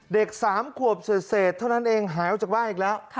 เด็ก๓ขวบเศษเท่านั้นเองหายออกจากบ้านอีกแล้ว